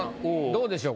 どうでしょう？